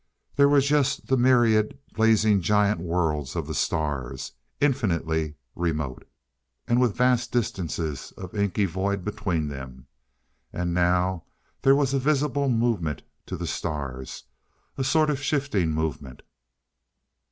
There were just the myriad blazing giant worlds of the stars infinitely remote, with vast distances of inky void between them. And now there was a visible movement to the stars! A sort of shifting movement....